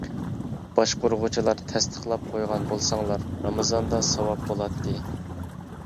باشقۇرغۇچىلار تەستىقلاپ قويغان بولساڭلار، رامىزاندا ساۋاپ بولاتتى.